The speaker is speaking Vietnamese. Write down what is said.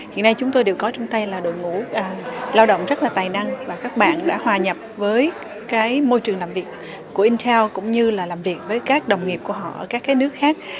hiện nay chúng tôi đều có trong tay là đội ngũ lao động rất là tài năng và các bạn đã hòa nhập với môi trường làm việc của intel cũng như là làm việc với các đồng nghiệp của họ ở các nước khác